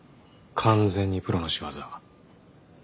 完全にプロの仕業。